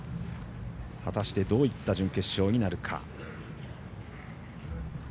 果たしてどういった準決勝になるか。